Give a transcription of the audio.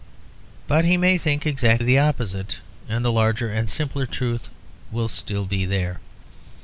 But he may think exactly the opposite; and the larger and simpler truth will still be there.